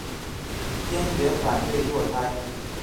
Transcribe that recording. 坚决反对堕胎。